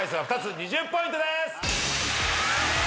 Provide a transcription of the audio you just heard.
２０ポイントです。